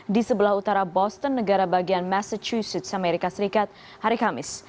di sebelah utara boston negara bagian massachusetes amerika serikat hari kamis